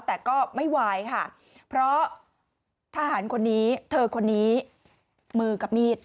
แต่ก็ไม่ไหวค่ะเพราะทหารคนนี้เธอคนนี้มือกับมีด